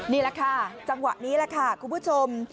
นี่แหละค่ะจังหวะนี้แหละค่ะคุณผู้ชม